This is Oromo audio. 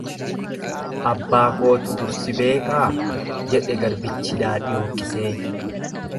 Abbaa kootu dur si beekaa? jedhe garbichi daadhii hooqqisee.